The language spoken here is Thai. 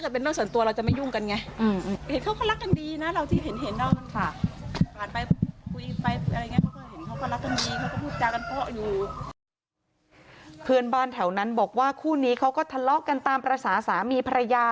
เพื่อนบ้านแถวนั้นบอกว่าคู่นี้เขาก็ทะเลาะกันตามภาษาสามีภรรยา